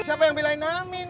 siapa yang belain amin